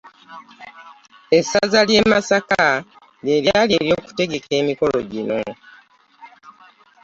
Essaza ly’e Masaka lye lyali eryokutegeka emikolo gino